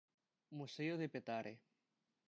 Museo de Petare.